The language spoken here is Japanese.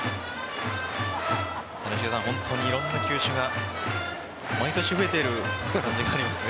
本当にいろんな球種が毎年増えているように見えるんですが。